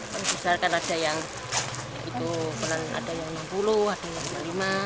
paling besar kan ada yang itu kurang ada yang enam puluh ada yang rp dua puluh lima